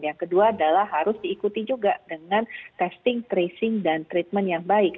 yang kedua adalah harus diikuti juga dengan testing tracing dan treatment yang baik